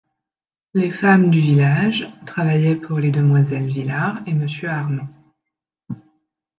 Les femmes du village travaillaient pour les Demoiselles Villard et Monsieur Armand.